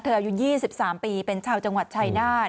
อายุ๒๓ปีเป็นชาวจังหวัดชายนาฏ